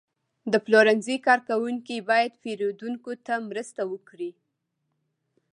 د پلورنځي کارکوونکي باید پیرودونکو ته مرسته وکړي.